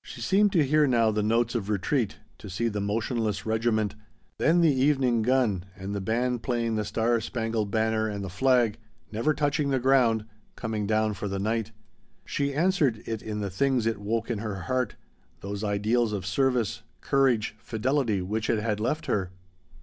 She seemed to hear now the notes of retreat to see the motionless regiment then the evening gun and the band playing the Star Spangled Banner and the flag never touching the ground coming down for the night. She answered it in the things it woke in her heart: those ideals of service, courage, fidelity which it had left her.